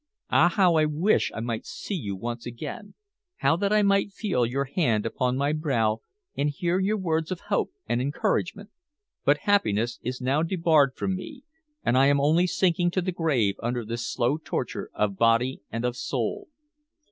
Ah, how I wish I might see you once again; how that I might feel your hand upon my brow, and hear your words of hope and encouragement! But happiness is now debarred from me, and I am only sinking to the grave under this slow torture of body and of soul.